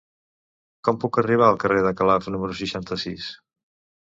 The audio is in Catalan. Com puc arribar al carrer de Calaf número seixanta-sis?